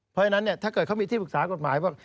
เพราะฉะนั้นเนี่ยถ้าเกิดเขามีที่ปรึกษากฎหมายว่า